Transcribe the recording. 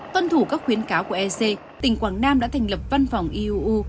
tuân thủ các khuyến cáo của ec tỉnh quảng nam đã thành lập văn phòng iuu